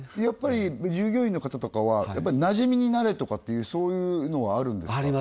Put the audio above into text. やっぱり従業員の方とかはなじみになれとかっていうそういうのはあるんですか？